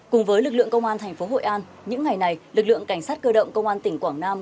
cùng với lực lượng công an thành phố hội an những ngày này lực lượng cảnh sát cơ động công an tỉnh quảng nam